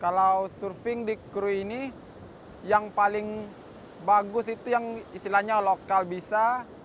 kalau surfing di kru ini yang paling bagus itu yang istilahnya lokal bisa